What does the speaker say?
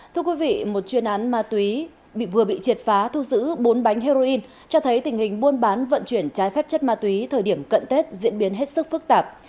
thưa quý vị một chuyên án ma túy vừa bị triệt phá thu giữ bốn bánh heroin cho thấy tình hình buôn bán vận chuyển trái phép chất ma túy thời điểm cận tết diễn biến hết sức phức tạp